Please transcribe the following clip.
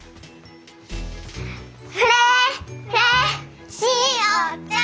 フレーフレーしおちゃん！